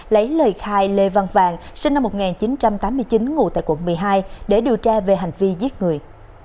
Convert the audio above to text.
lấy lời khai lê văn vàng sinh năm một nghìn chín trăm tám mươi chín ngụ tại quận một mươi hai để điều tra về hành vi giết người